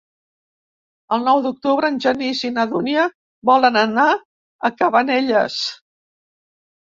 El nou d'octubre en Genís i na Dúnia volen anar a Cabanelles.